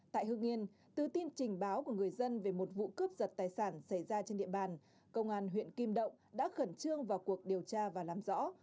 tại hương yên từ tin trình báo của người dân về một vụ cướp giật tài sản xảy ra trên địa bàn công an huyện kim động đã khẩn trương vào cuộc điều tra và làm rõ